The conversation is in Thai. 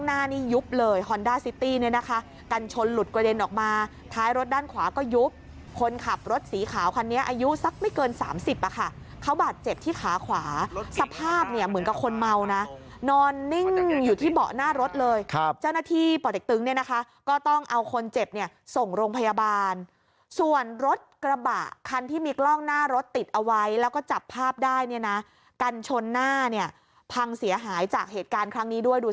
อายุสักไม่เกินสามสิบอ่ะค่ะเขาบาดเจ็บที่ขาขวาสภาพเนี้ยเหมือนกับคนเมานะนอนนิ่งอยู่ที่เบาะหน้ารถเลยครับเจ้าหน้าที่ป่อเด็กตึงเนี้ยนะคะก็ต้องเอาคนเจ็บเนี้ยส่งโรงพยาบาลส่วนรถกระบะคันที่มีกล้องหน้ารถติดเอาไว้แล้วก็จับภาพได้เนี้ยนะกันชนหน้าเนี้ยพังเสียหายจากเหตุการณ์ครั้งนี้ด้วย